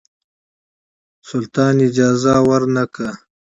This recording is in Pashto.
سلطان اجازه ورنه کړه.